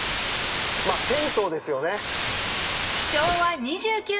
まあ銭湯ですよね。